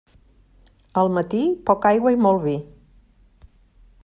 Al matí, poca aigua i molt vi.